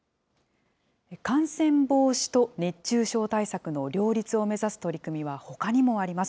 感染防止と熱中症対策の両立を目指す取り組みは、ほかにもあります。